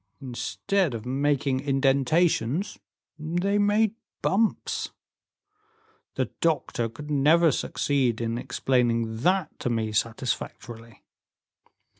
Instead of making indentations, they made bumps. The doctor could never succeed in explaining that to me satisfactorily."